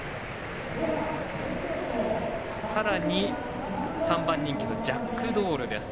さらに３番人気のジャックドールです。